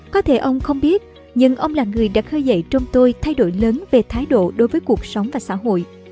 có thể ông không biết nhưng ông là người đã khơi dậy trong tôi thay đổi lớn về thái độ đối với cuộc sống và xã hội